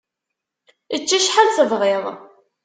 Ečč acḥal tebɣiḍ.